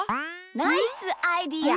ナイスアイデア！